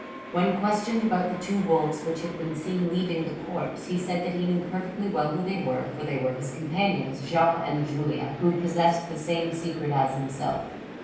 When questioned about the two wolves which had been seen leaving the corpse, he said that he knew perfectly well who they were, for they were his companions, Jean and Julian, who possessed the same secret as himself.